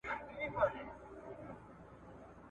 د یو ستراتیژیک ملګري په سترګه نه ګوري.